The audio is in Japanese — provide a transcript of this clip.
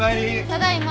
ただいま。